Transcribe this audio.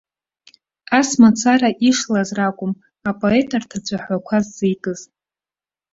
Ас мацара ишлаз ракәым апоет арҭ ацәаҳәақәа ззикыз.